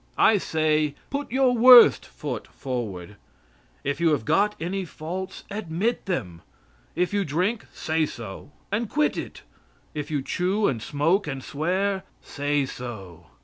I say put your worst foot forward. If you have got any faults admit them. If you drink say so and quit it. If you chew and smoke and swear, say so.